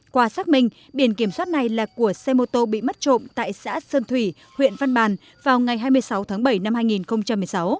qua xác minh biển kiểm soát này là của xe mô tô bị mất trộm tại xã sơn thủy huyện văn bàn vào ngày hai mươi sáu tháng bảy năm hai nghìn một mươi sáu